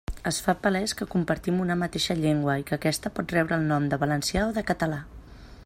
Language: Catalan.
Es fa palés que compartim una mateixa llengua i que aquesta pot rebre el nom de valencià o de català.